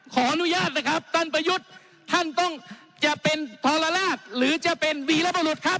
ขออนุญาตนะครับท่านประยุทธ์ท่านต้องจะเป็นทรลาศหรือจะเป็นวีรบรุษครับ